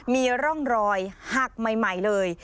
มีร่องรอยหักใหม่เลย